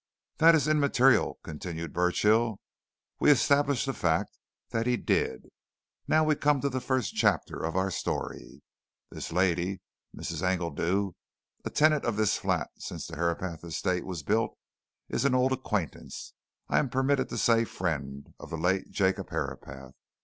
"That is immaterial," continued Burchill. "We establish the fact that he did. Now we come to the first chapter of our story. This lady, Mrs. Engledew, a tenant of this flat since the Herapath Estate was built, is an old acquaintance I am permitted to say, friend of the late Jacob Herapath.